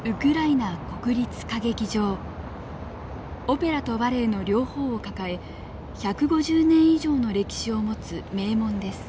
オペラとバレエの両方を抱え１５０年以上の歴史を持つ名門です。